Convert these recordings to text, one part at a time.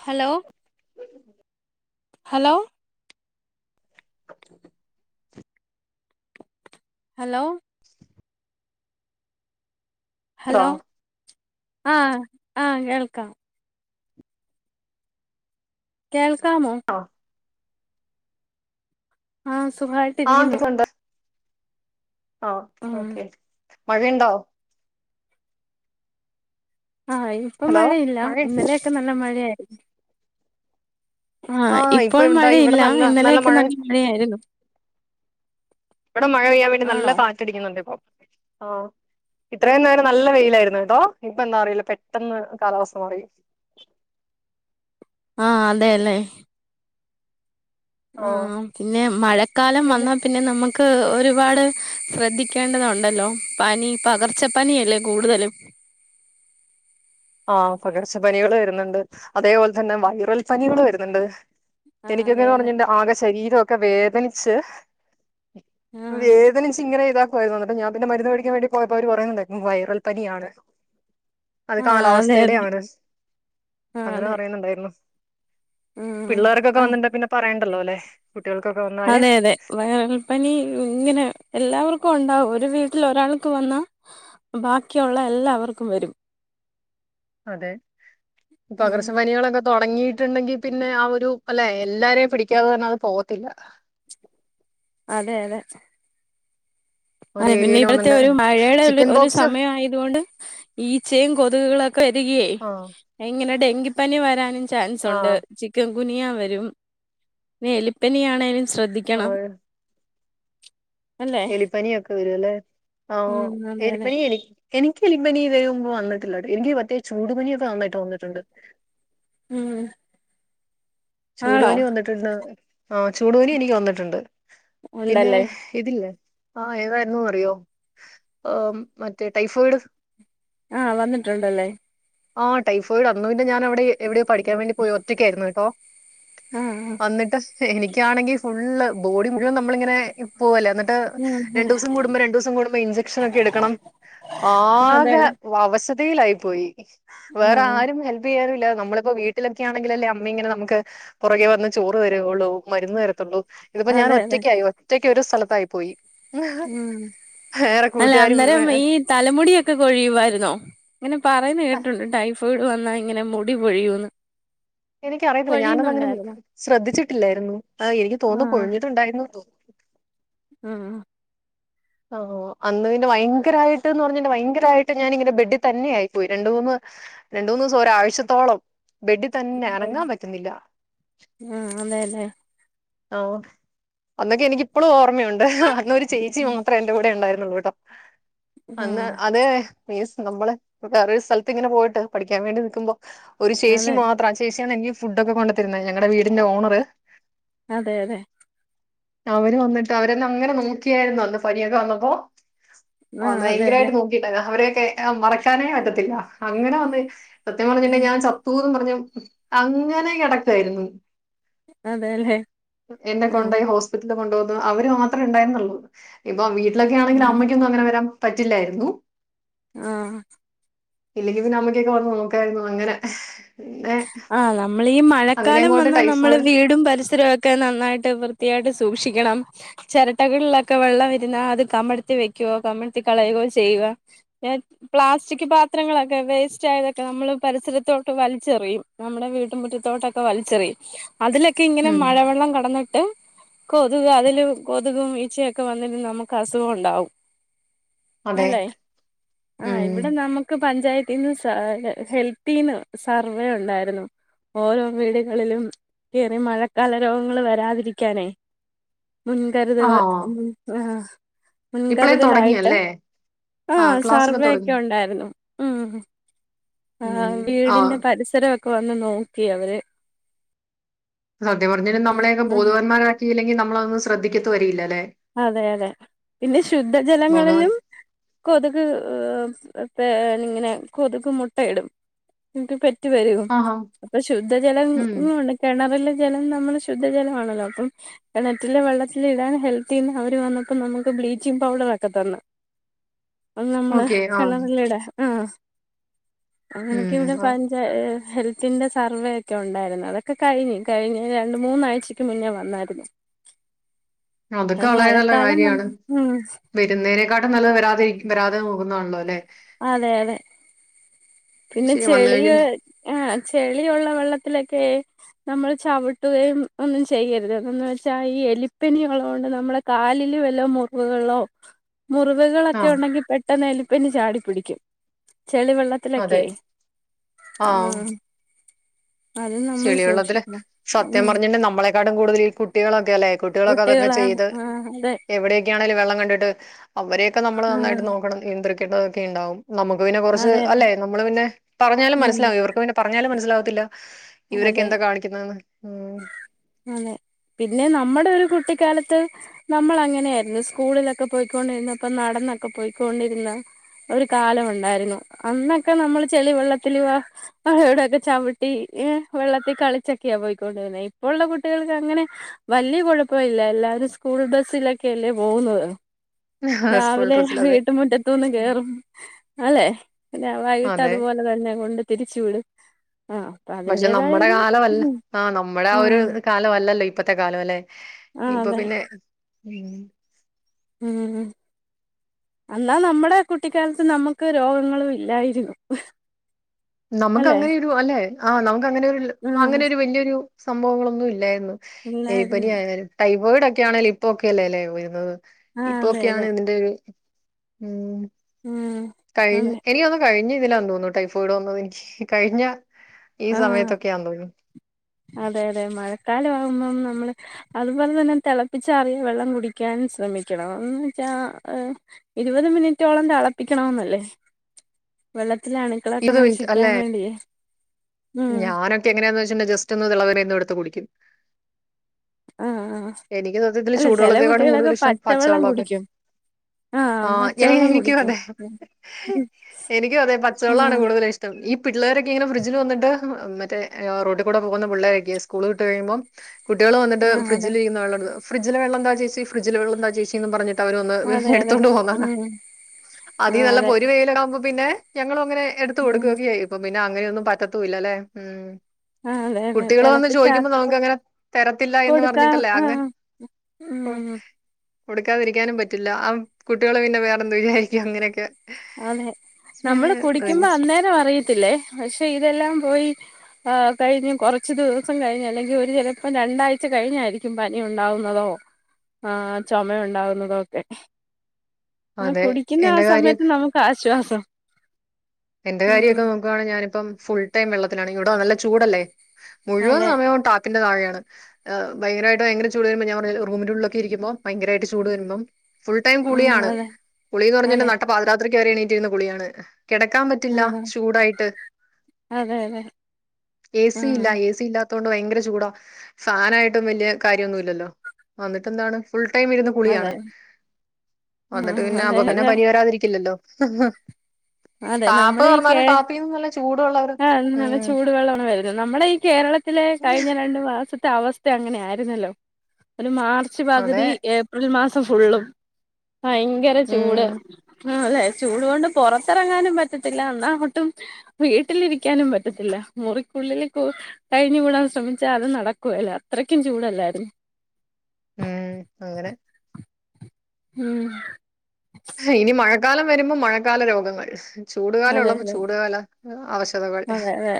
Hello hello hello ണ്ടോ hello ആ ആ കേൾക്കാം കേൾ കാമൊ ആ ആ ആ സുഖമായിട്ടിരിക്കുന്നു കേക്കുന്നുണ്ട് ആ ഓക്കെ മഴയുണ്ടാ ആഹ ഇപ്പൊ ഹലോ മഴയില്ല മഴ ഇന്നലെയൊക്കെ നല്ല മഴയായിരുന്നു ആ ഇപ്പൊ ഇപ്പോൾ ഇതാ ഇവിടെ മഴയില്ല നല്ല ഇന്നലെയൊക്കെ മഴ നല്ല മഴയായിരുന്നു ഇവിടെ മഴ പെയ്യാൻ വേണ്ടി നല്ല ആണോ കാറ്റടി ക്കുന്നുണ്ട് ഇപ്പൊ ആ ഇത്രയും നേരം നല്ല വെയിലായിരുന്നു കേട്ടോ ഇപ്പൊ എന്താ അറിയില്ല പെട്ടെന്ന് കാലാവസ്ഥ മാറി അ അതെല്ലേ ആ പിന്നെ മഴക്കാലം വന്നാ പിന്നെ നമുക്ക് ഒരു ഒരുപാട് ശ്രദ്ധിക്കേണ്ടതുണ്ടല്ലോ പനി പകർച്ച പനി അല്ലേ കൂടുതലും ആഹ പകർച്ച പനികൾ വരുന്നുണ്ട് അതേപോലെ തന്നെ വയറൽ പനികൾ വരുന്നുണ്ട് ആഹ് എനിക്ക അതെ അതെ എങ്ങനെന്ന്പറഞ്ഞ്ണ്ടെ ആക ശരീരം രൊക്കെ വേദനിച്ച് ആഹ് വേദനിച്ച് ഇങ്ങനെ ഇതാക്കുമായിരുന്നുന്നിട്ട് ഞാൻ പിന്നെ മരുന്ന് പടിക്കാൻ വേണ്ടി പോയപ്പോ അവർ പറയുന്നുണ്ടും വൈറൽ പനിയാണ് ആഹ് അതെ അതെ കാലാവസ്ഥയുടെയാണ് ആഹ് അങ്ങനെ അതെ പറയുന്നുണ്ടായിരുന്നു ഉം പിള്ളേർക്കൊക്കെ ആഹ് വന്നിണ്ടെ പിന്നെ പറയ ഉണ്ടല്ലോ അല്ലേ അതെ അതെ വയറൽപ്പനി ഇങ്ങനെ എല്ലാവർക്കും ഉണ്ടാവും ഒരു വീട്ടിൽ ഒരാൾക്ക് വന്നാ ബാക്കിയുള്ള എല്ലാവർക്കും വരും അതെ ഈ ഉം പകർസ പനികളൊക്കെ തൊടങ്ങീട്ട്ണ്ടെങ്കി പിന്നെ ആ ഒരു അല്ലെ എല്ലാരെയും പിടിക്കാതെ തന്നെ അത് പോകത്തില്ല. അതെ അതെ ഒരു അതെ പിന്നെ ഏരിയയിൽ ഇപ്പഴ്ത്തെ വന്നിണ്ട് ഒരു മഴേടെ ചിക്കൻ ഒരു ബോക്സ് സമയ ആയതുകൊണ്ട് ഈച്ചയും കൊതുകുകളൊക്കെ പെരികിയേ ആ ഇങ്ങനെ ഡെങ്കിപ്പനി വരാനും ചാ ചാൻസ് ആ ഒണ്ട് ചിക്കൻ ഗുനിയാ വരും പിന്നെ എലിപ്പനിയാണേലും ശ്രദ്ധിക്കണം അല്ലേ എലിപ്പനിയൊക്ക് വെരുവല്ലേ ആഹ് ഒ ഉം അതെ അതെ എലിപ്പനി എനിക്ക് എനിക്ക് എലിപ്പനി ഇതിന് മുമ്പ് വന്നിട്ടില്ലാട്ടോ എനിക്ക് മറ്റേ ചൂടു പനിയൊക്കെ നന്നായിട്ട് വന്നിട്ടുണ്ട് ഉം ആണോ ചൂടുപനി വന്നിട്ടിണ്ട് ആഹ് ചൂടു പനി എനിക്ക് വന്നിട്ടുണ്ട് പിന്നെ ഉണ്ടല്ലേ ഇതില്ലേ? ആഹ് ഏതായിരുന്നു അറിയോ ആം മറ്റേ ടൈഫോയിഡ് ആഹ് വന്നിട്ടുണ്ടല്ലേ? ആഹ് ടൈഫോയിഡ് അന്ന് പിൻ ഞാനവിടെ എവിടെയോ പഠിക്കാൻ വേണ്ടി പോയി ഒറ്റക്കായിരുന്നു കേട്ടോ ആഹ് ആഹ് എനിക്കാണെങ്കിൽ ഫുള്ള് ബോഡി മുഴുവൻ നമ്മളിങ്ങനെ ഇപ് പോവല്ലേ അന്നിട്ട് ഉം ഉം രണ്ടു ദിവസം കൂടുമ്പോ രണ്ട് ദിവസം കൂടുമ്പോ ഇഞ്ചക്ഷൻ ഒക്കെ എടുക്കണം അതെ ആകെ അതെ വ അവശത യിലായി പോയി വേറെ ആഹ് ആരും ഹെൽപ്പ് ചെയ്യാനുല് ല്ല നമ്മളിപ്പോ വീട്ടിലൊക്കെ ആണെങ്കിൽ അല്ലേ അമ്മ ഇങ്ങനെ നമുക്ക് പുറകെ വന്ന് ചോറ് തരുയുള്ളൂ മരുന്ന് തരത്തുള്ളൂ ഇതിപ്പോ ഞാൻ അതെ അതെ ഒറ്റയ്ക്കായി ഒറ്റക്ക് ഒരു സ്ഥലത്തായി പോയി ഉം വേറെ അല്ല കൂട്ടുകാരും അന്നേരം ഏ, ഈ തലമുടിയൊക്കെ കൊഴിയുവായിരുന്നോ? ഇങ്ങനെ പറയുന്ന കേട്ട്ട്ടൊണ്ട് ടൈഫോയിഡ് വന്നാ ഇങ്ങനെ മുടിപൊഴിയൂന്ന് എനിക്കറിയത്തില്ല ഞാനതങ്ങനെ ശ്രദ്ധിച്ചിട്ടില്ലായിരുന്നു അ എനിക്ക് തോന്നുന്നു പൊഴിഞ്ഞിട്ടുണ്ടായിരു തോന് ഉം ഉം ആ ഓഹ് അന്ന് പിന്നെ ഭയങ്കരായിട്ട്ന്ന് പറഞ്ഞാ ഭയങ്കരമായിട്ട് ഞാനിങ്ങനെ ബെഡി തന്നെ ആയി പോയി രണ്ട് മൂന്ന് രണ്ട് മൂന്ന് ദിവസം ഒരാഴ്ചത്തോളം. ബെഡ് തന്നെ അങ്ങാൻ പറ്റ്ന്നില്ല ആഹ് അതെല്ലേ ആ ഓ. അന്നൊക്കെ എനിക്കിപ്പളും ഓറ മ്മയുണ്ട് അന്നൊരു ചേച്ചി മാത്രം എന്റെ കൂടെ ഇണ്ടായിരു ഇവ്ടം അങ്ങ് ആഹ് അതെ പി നമ്മൾ വെറെ ഒരു സ്ഥലത്ത് ഇങ്ങനെ പോയിട്ട് പഠിക്കാൻ വേണ്ടി നിക്കുമ്പോ ഒരു ചേച്ചി അതെ മാത്രം ആ ചേച്ചിയാണെങ്കി ഫുഡക്കെ കൊണ്ട്‌ തരുന്നേ ഞങ്ങടെ വീടിന്റെ ഓണറ് അതെ അതെ അവര് വന്നിട്ട് അവരെന്നെ അങ്ങനെ നോക്കിയായിരുന്നു അന്ന് പനിയൊക്കെ വന്നപ്പോ ഓ ആഹ് അന്ന് അതെല്ലേ ഭയങ്കരായിട്ട് നോക്കി ഇണ്ടായിരുന്ന അവര് ക്കെ. മറക്കാനേ പറ്റത്തില്ല അങ്ങനെ വന്ന് സത്യം പറഞ്ഞ്ണ്ടെങ്കി ഞാ ചത്ത് പോവും എന്ന് പറഞ്ഞ് അങ്ങനെ കെടക്കുവായിരുന്നു അതെ ലെ എന്നെ കൊണ്ടോയി ഹോസ്പിറ്റലിൽ കൊണ്ട് പോവുന്നു അവര് മാത്രേ ഇണ്ടായിരുന്നുള്ളു ഇപ്പം ട്ടിലൊക്കെ ആണെങ്കിൽ ആഹ് അമ്മക്കൊന്നും അങ്ങനെ വരാ പറ്റില്ലായിരുന്നു ആ ഇല്ലെങ്കി പിന്നെ അമ്മക്കൊക്കെ വന്ന് നോക്കായിരുന്നു അങ്ങനെ പിന്നെ നമ്മൾ ഈ അങ്ങനെ മഴക്കാലം അങ്ങോട്ട് വന്നാൽ നമ്മൾ ടൈഫോയിഡ് വീടും പരിസരവും ഒക്കെ നന്നായിട്ട് വൃത്തിയായിട്ട് സൂക്ഷി ണം ചെരട്ടകളിലൊക്കെ വെള്ളം വെരുന്നാ അത് കമെഴ്ത്തി വെക്കൊ കമിഴ്ത്തി കളയുകയോ ചെയ്യുക പ്ലാസ്റ്റിക് പാത്രങ്ങളൊക്കെ വേസ്റ്റ് ആയതൊക്കെ നമ്മൾ പരിസരത്തോട്ട് വലിച്ചെറിയും നമ്മുടെ വീട്ടു മുറ്റത്തോട്ടൊക്കെ വലിച്ചെറിയും അതിലൊക്കെ ഇങ്ങനെ ഉം. മഴവെള്ളം കടന്നിട്ട് കൊതുക് അതിലും കൊതുകും ഈച്ചയൊക്കെ വന്നിട്ട് നമുക്ക് അസുഖം ഉണ്ടാവും അതെ. അല്ലെ ആ ഉം. ഇവിടെ നമുക്ക് പഞ്ചായത്ത് ഇന്ന് സ ഹെൽത്തിന്ന് സർവേ ഉണ്ടായി ഓരോ വീടുകളിലും കേറി മഴക്കാല രോഗങ്ങൾ വരാതിരിക്കാനേ മുൻകരുതുകൾ ആഹ് ഉം ആ ഇപ്പളേ മുൻകരുതലായിട്ട് തുടങ്ങിയല്ലേ? ആ ആഹ് ക്ലാസ്സൊക്കെ സർവേ ഒക്കെ തുടങ്ങി. ഉണ്ടായിരുന്നു ഉം ആ ഉം. ആഹ് വീടിന്റെ പരിസരവൊ ഒക്കെ വന്ന് നോക്കി അവര് സത്യ പറഞ്ഞിട്ടും നമ്മളൊക്കെ ഉം ബോധവന്മാരാക്കിയില്ലെങ്കി നമ്മ നമ്മളങ് ശ്രദ്ധിക്കത്ത് വരിയില്ല ലെ അതെ അതെ പിന്നെ ബോധവാൻ ശുദ്ധജലങ്ങളിലും കൊതുക് ഇങ്ങനെ കൊതുക് മുട്ടയിടും എനിക്ക്റ്റ വരും ആഹാ. അപ്പൊ ഉം. ശുദ്ധജലംണ്ട് കിണറില് ജലം നമ്മള് ശുദ്ധജലമാണല്ലോ അപ്പം കിണറ്റിലെ വെള്ളത്തിൽ ഇടാൻ ഹെൽ് ീ അവർ വന്നപ്പോ നമുക്ക് ബ്ലീച്ചിങ് പൗഡർ ഒക്കെ തന്ന് നമ്മള് ഓക്കെ. ആ. കണ്ണറില്ല ഇട ഏ അങ്ങനക്ക ഇവിടെ ഉം. അ പഞ്ചായ ഹെൽത്തിന്റെ സർവേ ഒക്കെ ഉണ്ടായിരുന്നു അതൊക്കെ കഴിഞ്ഞു കഴിഞ്ഞ് രണ്ട മൂന്നാഴ്ചക്ക് മുന്നേ വന്നായിരുന്നു അതൊക്കെ അത് വളരെ നല്ല മഴക്കാലം കാര്യമാണ് വന്ന് ഉം വരുന്നതിനേക്കാട്ടും നല്ലത് വരാതിരിക്കുന്നെയാ അ നോുന്നുന്നുള്ളോ അല്ലേ അതെ അതെ പിന്നെ ശരി വന്ന് ചെളിയ കഴിഞ്ഞ ആ ചെളിയുള്ള വെള്ളത്തിലക്കെ ഒക്കെ നമ്മള് ചവിട്ടുകയും ഒന്നും ചെയ്യരുത് എന്നന്ന് വെച്ചാ ഈ എലിപ്പനിയള്ളുകൊണ്ട് നമ്മുടെ കാലില് വല്ല മുറിവുകളോ ആ മുറിവുകളൊക്കെ ഉണ്ടെങ്കിൽ പെട്ടെന്ന് എലിപനി ചാടിും പിടിക്കും ചെളിവെള്ളത്തിലൊക്കെ അതെ. ആ ചെളിയള്ളതില് സത്യം ഉം പറഞ്ഞിണ്ട് നമ്മളെക്കാട്ടും കൂടുതൽ കുട്ടികളൊക്കെ അല്ലെ കുട്ടികളൊക്കെ അതൊക്കെ കുട്ടികളാണ് ചെയ്ത് ആഹ് അതെ എവിടെ കേണൽ വെള്ളം കണ്ടിട്ട് അവരെയൊക്കെ നമ്മൾ ആഹ് നന്നായിട്ട് നോക്കണം നിയന്ത്രിക്കണം കിട്ടതൊക്കെ ഉണ്ടാവും നമുക്ക് പിന്നെ കുറച്ച് അതെ അതെ അല്ലേ നമ്മള് പിന്നെ പറഞ്ഞും ഉം മനസ്സാവും ഇവക്ക് പിന്നെഞ്ഞാലും മനസിലാവത്തില്ല [unintelligible] ഇവരൊക്കെ അതെ എന്താ കാണിക്കുന്നതന്ന് അതെ പിന്നെ നമ്മുടെ ഒരു കുട്ട കുട്ടിക്കാലത്ത് നമ്മൾ അങ്ങനെയായിരുന്നു സ്കൂളിലൊക്കെ പോയിക്കൊണ്ടിരുന്നപ്പോ നടന്നൊക്കെ പോയിക്കൊണ്ടിരുന്ന ഒരു കാലം ഉണ്ടായിരുന്നു അന്നൊക്കെ നമ്മൾ ചെളിവെള്ളത്തി മഴോടെൊക്കെ ചവിട്ടി എ വെള്ളത്തിൽ കളിച്ചൊക്കെയാ പോയി ന്നെ ഇപ്പുള്ള കുട്ടികൾക്ക് അങ്ങനെ വലിയ കുഴപ്പ ഇല്ല എല്ലാവരും സ്കൂൾ ബസ്സിലൊക്കെയല്ലേ പോകുന്നത് സ്കൂൾ രാവിലെ ഡ്രസ്സിലതെ. അതെ. വീട്ട മുുറ്റത്ത നിന്ന് ഉം. കേറും അല്ലെ ഞൻ വൈകട്ട് അതെ അതുപോലെ തഞ്ഞ കൊണ്ട് തിരിച്ചു വിടും ആഹ് അപ്പൊ പക്ഷെ അതിന്റേതായ നമ്മുടെ ഒരു കാലമല്ല ഉം ആ നമ്മുടെ ആ ഒരു ആഹ് കാലമല്ല ല്ലോ ഇപ്പഴത്തെ കാലമല്ലേ ആഹ് ഇപ്പൊ അതെ പിന്നെ ഉം ഉം അന്നാ നമ്മടെ കുട്ടിക്കാലത്ത് നമ്മക്ക് രോഗങ്ങളു ഇല്ലായിരുന്നു. നമക്ക് അല്ലെ അങ്ങനെയൊരു അല്ലെ ആ ന അങ്ങനൊരു ആഹ് അങ്ങനൊരു വെല്ല്യൊരു സംഭവങ്ങളൊന്നും ഇല്ലായിരുന്നു. ഇല്ലായിരുന്നു എനിപ്പനിയായാലും ടൈ വീടൊക്കെ ആണെലും ഇപ്പൊക്കെ അല്ലേ ല്ലെ ഉയർന്നത്. ആഹ് അതെ ഇപ്പൊക്കെയാണ് അതെ ഇതിൻ്റൊരു ഉം ഉം കഴിഞ് അതെ എനിക്കോന്നുന്നു കഴിഞ്ഞ തിലാ തോന്നുന്നു ടൈഫോയ്ഡ് വന്നതെനിക്ക് കഴിഞ്ഞ ഈ ആ സമയത്തൊക്കെയാന്ന് തോന്നുന്നു അതെ യതെ മഴക്കാലം ആവുമ്പം നമ്മള് അത്പോലെ തന്നെ തെളപ്പിച്ചാറിയാ വെള്ളം കുടിക്കാൻ ശ്രമിക്കണം എന്ന് വെച്ചാ ഇരുപത് മിനിറ്റോളം തെളപ്പിക്കണംന്നല്ലേ വെള്ള ത്തിലെ അണുക്കളൊക്കെ ഇരുപത് മിനിറ്റ് നശിക്കാൻ അല്ലെ വേണ്ടിയേ ഉം ഞാനൊക്കെ എങ്ങനെയാന്ന് വെച്ച്ണ്ടെ ജെസ്‌റ്റൊന്ന് തെളവന്നായ്ന്ന് എട്ത്ത് കുടിക്കും. ആഹ് ആഹ് എനിക്ക് സത്യത്തിൽ അല്ല ചില ചൂടുവെള്ളത്തെക്കാട്ടിലും കുട്ടികളൊക്കെ കൂട്തെൽ ഇഷ്ടം പച്ചവെള്ളം പച്ചവെള്ളൊ ഒക്കെ കുടിക്കും ആ ആഹ് ഞൻ പച്ചവെള്ളം എനിക്കും കുടിക്കും അതെ ഉം എനിക്കും അതെ പ ച്ച വെള്ളാണ് ആഹ് കൂട്തെലും ഇഷ്ടം ഈ പിള്ളേരൊക്കെ ഇങ്ങനെ ഫ്രഡ്ജിൽ വന്നിട്ട് മറ്റേ റോട്ടി കൂടെ പോകുന്ന പിള്ളേരൊക്കെ സ്കൂൾ വിട്ട് കഴിയിമ്പം കുട്ടികൾ വന്നിട്ട് ആഹ് അതെ ഫ്രഡ്ജിലിരിക്കുന്ന വെള്ള എട് ഫ്രഡ്ജിലെ വെള്ളം താ ചേച്ചി ഫ്രഡജിലെ വെള്ളം താ ചേച്ചിന്നും പറഞ്ഞ് ട്ട് അവനൊന്ന് അതെ അതെ എടുത്തൊണ്ട് പോവ്ന്നെ കാണാ ഉം അതീ ആഹ് നല്ല അതെ പൊരി വെയിലാവുമ്പോ പിന്നെ ഞങ്ങളോ അങ്ങനെ എടുത്ത് ഉം കൊടുക്കൊക്കെ ചെയ്യും പിന്നെ അങ്ങനെയൊന്നും പറ്റത്തൂ ഇല്ലലേ ഉം ആഹ് അതെ അതെ കുട്ടികള് വന്ന് ചോദിക്കുമ്പോ തിളപ്പിച്ചാറിയ നമുക്ക് അങ്ങനെ തരത്തില്ല എന്ന് കൊടുക്കാം പറഞ്ഞിട്ടല്ലേ അങ്ങ് ആഹ് ഉം കൊടുക്കാതിരിക്കാനും പറ്റില്ല ആ കുട്ടികള് പിന്നെ വേറെന്തേലായിരിക്കും അങ്ങനൊക്കെ ആന്നേ നമ്മള് കുടിക്കുമ്പോ അന്നേരം അറിയത്തില്ലേ പക്ഷെ ഇതെല്ലാം പോയി ആ കഴിഞ്ഞു കുറച്ചു ദിവസം കഴിഞ്ഞു അല്ലെങ്കിൽ ഒരു ചിലപ്പോ രണ്ടാഴ്ച കഴിഞ്ഞായിരിക്കും പനി ഉണ്ടാവുന്നതോ ആ ചുമ ഉണ്ടാവുന്നതോ ഒക്കെ ആ അതെ കുടിക്കുന്ന ആ എന്റെ കാര്യം സമയത്ത് നമുക്ക് ആശ്വാസം എന്റെ ഉം കാര്യൊക്കെ നോക്കുവാണ് ഞാന ഇപ്പം ഫുൾ ടൈം വെള്ളത്തിലാണങ്കിൽ ഇവിടോ നല്ല ചൂടല്ലേ മുഴുവൻ അതെ സമയവും ട - ന്റെ തഴെയാണ് ഭയങ്കരായിട്ട് ഭയങ്കര ചൂട് വരുമ്പോ ഞാൻ പറഞ്ഞ റൂമിന്റെ ഉള്ളിലൊക്കെ ഇരിക്കുമ്പോ ഭയങ്കരായിട്ട് ചൂട് വരുമ്പോം ഫുൾ ടൈം ഉം കുളിയാണ് അതെ കുളി എന്ന് പറഞ്ഞാൽ അതെ നട്ട പാതി ത്രിക്ക് വരെ എണീറ്റിരുന്ന് കുളിയാണ് ക്കാൻ പറ്റില്ല ആഹ് ചൂടായിട്ട് അതെ അതെ എ സി ആഹ് ഇല്ല എസി ഇല്ലാ അതൊണ്ട് ഭയങ്കര ചൂടാ ഫാനായിട്ടും വല്യ കാര്യന്നുല്ലല്ലോ വന്നിട്ട് എന്താണ് ഫുൾ ടൈം ഇരുന്ന് അതെ കുളിയാണ് വന്നിട്ട് ആഹ് പിന്നെ അതെ അപ്പൊ പിന്നെ അതെ പനി വരാതിരിക്കില്ലല്ലോ അതെ ടാപ്പ് നമ്മുടെ ഈ കേ തുറന്നാലും ടാപ്പിൽ നിന്ന് നല്ല ചൂടുള്ള ഒരു ആ നല്ല ഉം ചൂടുവെള്ളമാണ് വരുന്നത് നമ്മുടെ ഈ കേരളത്തിലെ കഴിഞ്ഞ രണ്ടു മാസം ത്തെ അവസ്ഥ അങ്ങനെ ആയിരുന്നല്ലോ മാ ർച്ച് അതെ പകുതി ഏ മാസം ഫുള്ളും ഭയങ്കര ചൂട് ഉം ആ അല്ലെ ചൂട് കൊണ്ട് പുറത്തിറങ്ങാനും പറ്റത്തില്ല എന്നാ ഒട്ടും വീട്ടിലിരിക്കാനും പറ്റത്തില്ല മുറിക്കുള്ളില് കഴിഞ്ഞ് കൂടാൻ ശ്രമിച്ചാ അത് നടക്കുവേല അത്രക്കും ചൂടല്ലായിരുന്നോ ഉം അങ്ങനെ ഉം ഇനി മഴക്കാലം വരുമ്പോ മഴക്കാല രോഗങ്ങൾ ചൂടുകാലം അതെ ഉള്ളപ്പോ അതെ ചൂടുകാല അവശ അതെ അതെ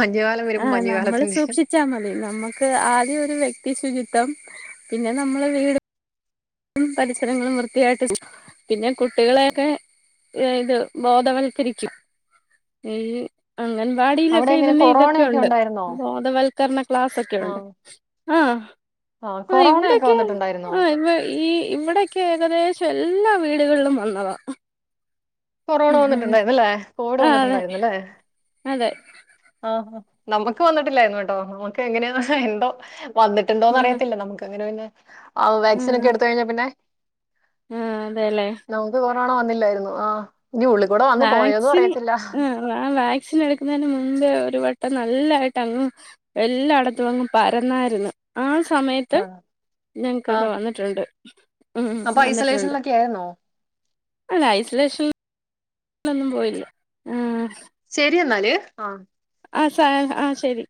മഞ്ഞുകാലം ആ വരുമ്പോ നമ്മൾ മഞ്ഞുകാലത്തിന്റെ സൂക്ഷിച്ചാ മതി നമ്മുക്ക് ആദ്യം ഒരു വ്യക്തി ശുചിത്വം പിന്നെ നമ്മളെ വീട് പരിസരങ്ങളും വൃത്തിയായിട്ട് പിന്നെ കുട്ടികളെയൊക്കെ ഇത് ബോധവൽക്കരിക്കും ഈ അവിടെ അംഗൻവാടിയിലൊക്കെ എങ്ങനെ ഇതിന്റെ കൊറോണയൊക്കെ ഇതൊക്കെയുണ്ട് ഉണ്ടായിരുന്നോ ബോധവൽക്കരണ ക്ലാസൊക്കെ ഉണ്ട് ആഹ്. ആ ആഹ് കൊറോണയൊക്കെ ഇവിടൊക്കെ വന്നിട്ടുണ്ടായിരുന്നോ? ആഹ് ഇവ ഈ ഇവിടെക്കെ ഏകദേശം എല്ലാ വീടുകളിലും വന്നതാ. കൊറോണ ആഹ് വന്നിട്ടുണ്ടായിരുന്നല്ലേ. കോവിഡ് അതെ വന്നിട്ടുണ്ടായിരുന്നല്ലെ. അതെ ആഹ് നമ്മുക്ക് വന്നിട്ടില്ലായിരുന്നു കേട്ടോ. നമ്മുക്ക് എങ്ങനെയാ എന്തോ വന്നിട്ടുണ്ടോന്ന് ആഹ് അറയത്തില്ല നമുക്ക് ങ്ങനെ പിന്നെ [unintelligible] ആ വാക്സിനൊക്കെ ആഹ് എടുത്തഴിഞ്ഞ പിന്നെ ആഹ് അതെല്ലേ നമുക്ക് കൊറ നണം വന്നില്ലായിരുന്നോ ആഹ്. ഇനി ഉള്ളിക്കൂടെ വന്ന് പോയോന്നും വാക്സിൻ അറിയത്തില്ല ആ ആ വാക്സിനെ ടുക്കുന്നതിന് മു ഒരു വട്ടം നല്ലായിട്ട് അങ്ങ് എല്ലായിടത്തും അങ്ങ് പരന്നായിര്ന്ന് ആ സമയത്ത് ആഹ് ഞങ്ങക്കൊക്കെ ആഹ് വന്നിട്ട്ണ്ട് [inaudible] ഉം അപ്പൊ വന്നിട്ടുണ്ട് ഐസൊലേഷനിലൊക്കെ ആയിരുന്നോ അല്ല ഐസൊലേഷൻ ന്നും പോയില്ല ആ ശെരി എന്നാല് ആ ആ സ ആ ശെരി